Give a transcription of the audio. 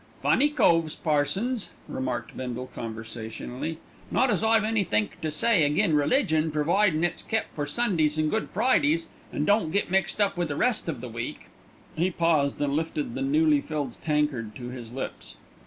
"Funny coves, parsons," remarked Bindle conversationally; "not as I've any think to say agin' religion, providin' it's kep' for Sundays and Good Fridays, an' don't get mixed up wi' the rest of the week." He paused and lifted the newly filled tankard to his lips.